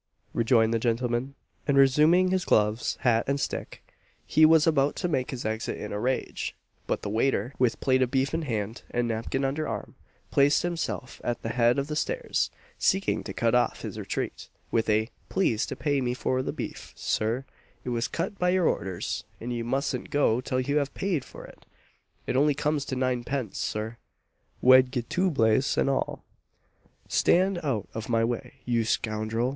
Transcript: rejoined the gentleman, and resuming his gloves, hat, and stick, he was about to make his exit in a rage; but the waiter, with plate of beef in hand, and napkin under arm, placed himself at the head of the stairs, seeking to cut off his retreat with a "Please to pay me for the beef, sir; it was cut by your orders, and you mustn't go till you have paid for it. It only comes to ninepence, sir, wedgittubles and all." "Stand out of my way, you scoundrel!